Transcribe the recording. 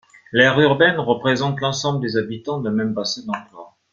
L'aire urbaine représente l'ensemble des habitants d'un même bassin d'emploi.